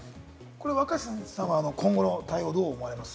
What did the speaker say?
若新さんは今後の対応をどう思われますか？